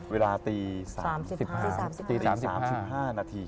เวลาตี๓๕นาที